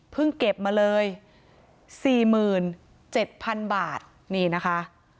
เพิ่งเก็บมาเลยสี่หมื่นเจ็ดพันบาทนี่นะคะ